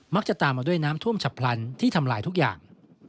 จะตามมาด้วยน้ำท่วมฉับพลันที่ทำลายทุกอย่าง